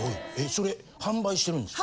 それ販売してるんですか？